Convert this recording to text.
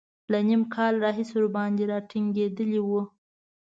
له نیم کال راهیسې ورباندې را ټینګېدلی و.